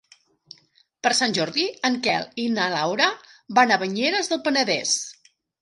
Per Sant Jordi en Quel i na Laura van a Banyeres del Penedès.